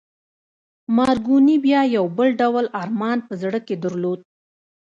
مارکوني بیا یو بل ډول ارمان په زړه کې درلود